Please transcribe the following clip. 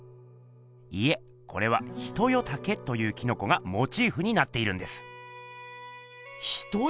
いえこれは「ヒトヨタケ」というキノコがモチーフになっているんです。